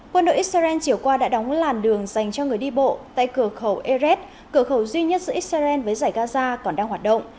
quân đội israel chiều qua đã đóng làn đường dành cho người đi bộ tại cửa khẩu eret cửa khẩu duy nhất giữa israel với giải gaza còn đang hoạt động